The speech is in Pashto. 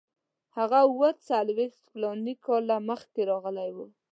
هغه اوه څلوېښت فلاني کاله مخکې راغلی وو.